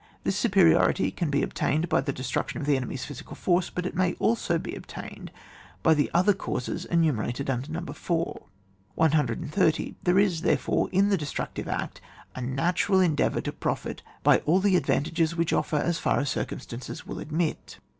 This superiority can be obtained by the destruction of the enemy's physical force, but it may also be obtained by the other causes enumerated under No. 4. 130. There is, therefore, in the des tructive act a natural endeavour to profit by all the advantages which offer as far as circumstances will admit.